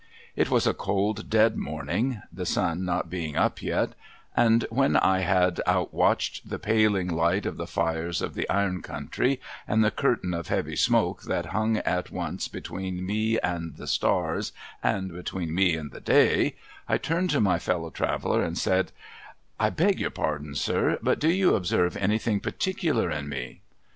It was a cold, dead morning (the sun not being up yet), and when 1 had out watched the paling light of the fires of the iron country, dnd the curtain of heavy smoke that hung at once between me and the stars and between me and the day, I turned to my fellow traveller and said :' I A;;" your pardon, sir, but do you observe anything particular in me